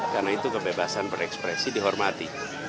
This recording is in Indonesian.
karena itu kebebasan berekspresi dihormati